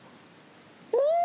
うん！